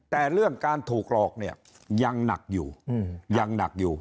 แต่เรื่องการถูกหลอกเนี่ยยังหนักอยู่ยังหนักอยู่